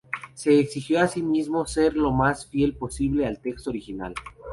Se exigió a sí mismo ser lo más fiel posible al texto original.